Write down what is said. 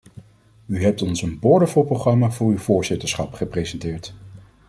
U hebt ons een boordevol programma voor uw voorzitterschap gepresenteerd.